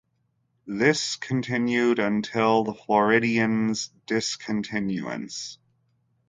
This continued until the "Floridian"'s discontinuance.